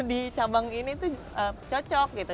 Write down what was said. di cabang ini tuh cocok gitu